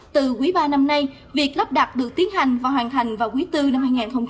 từ quý ba năm nay việc lắp đặt được tiến hành và hoàn thành vào quý bốn năm hai nghìn hai mươi